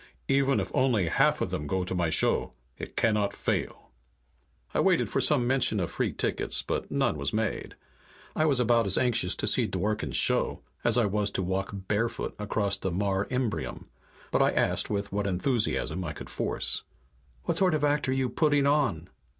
Even if only half of them go to my show, it cannot fail." I waited for some mention of free tickets, but none was made. I was about as anxious to see Dworken's show as I was to walk barefoot across the Mare Imbrium, but I asked with what enthusiasm I could force, "What sort of act are you putting on?